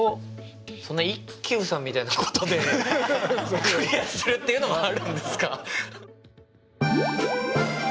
そんな一休さんみたいなことでクリアするっていうのもあるんですか！？